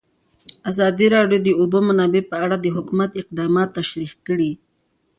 ازادي راډیو د د اوبو منابع په اړه د حکومت اقدامات تشریح کړي.